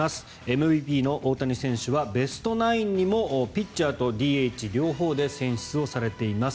ＭＶＰの大谷選手はベストナインにもピッチャーとＤＨ両方で選出されています。